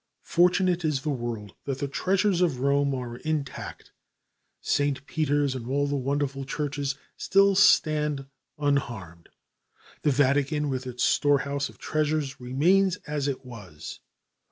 Fortunate is the world that the treasures of Rome are intact. St. Peter's and all the wonderful churches still stand unharmed. The Vatican with its storehouse of treasures remains as it was.